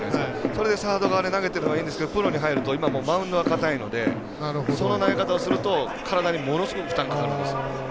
それで、サード側に投げているのはいいんですけどプロに入るとマウンドが硬いので体にものすごい負担かかるんです。